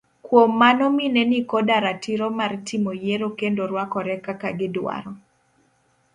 Kuom mano mine nikoda ratiro mar timo yiero kendo ruakore kaka gi dwaro.